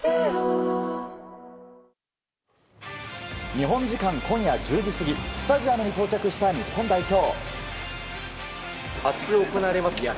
日本時間今夜１０時過ぎスタジアムに到着した日本代表。